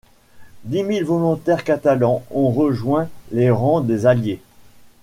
Dix mille volontaires catalans ont rejoint les rangs des alliés.